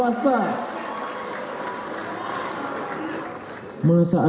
masa adat yang bilang indonesia bubar